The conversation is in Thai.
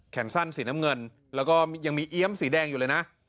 สั้นสีน้ำเงินแล้วก็ยังมีเอี๊ยมสีแดงอยู่เลยนะ